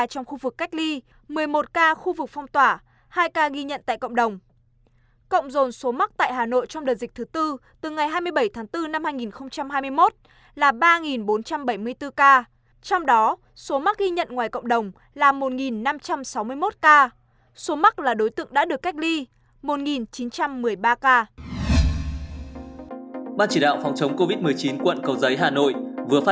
hoàng mai một ca